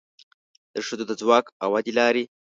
د ښځو د ځواک او ودې لارې